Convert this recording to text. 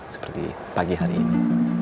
seperti pagi hari ini